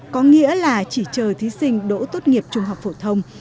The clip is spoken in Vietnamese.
có nghĩa là chỉ chờ thí sinh đỗ tốt nghiệp trung học phổ thông